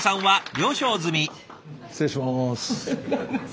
失礼します。